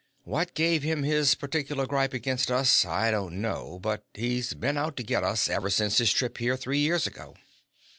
What gave him his particular gripe against us, I don't know, but he's been out to get us ever since his trip here three years ago."